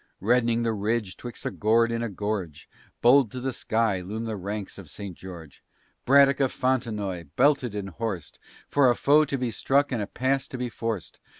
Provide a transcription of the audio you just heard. Red'ning the ridge, 'twixt a gorge and a gorge, Bold to the sky, loom the ranks of St. George; Braddock of Fontenoy, belted and horsed, For a foe to be struck and a pass to be forced.